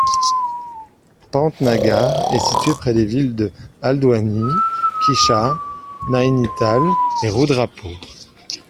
Pantnagar est située près des villes de Haldwani, Kiccha, Nainital et Rudrapur.